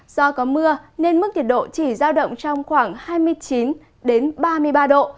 do có mưa nên mức nhiệt độ chỉ giao động trong khoảng hai mươi chín ba mươi ba độ